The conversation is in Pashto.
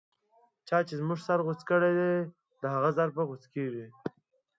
چا چی زموږه سر غوڅ کړی، د هغه سر به غو څیږی